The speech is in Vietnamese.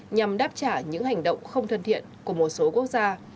nhằm đáp trả những hành động không thân thiện của một số quốc gia